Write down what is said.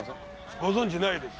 ご存じないです。